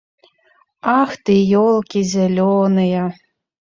Ах ты, ёлкі зялёныя.